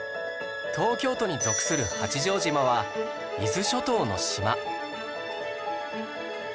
東京都に属する八丈島は伊豆諸島の島